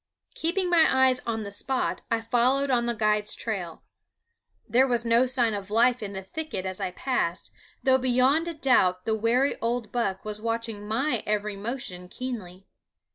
Keeping my eyes on the spot, I followed on the guide's trail. There was no sign of life in the thicket as I passed, though beyond a doubt the wary old buck was watching my every motion keenly.